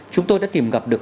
chúng tôi đã tìm gặp được